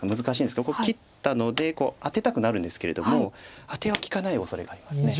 難しいんですけど切ったのでアテたくなるんですけれどもアテは利かないおそれがあります。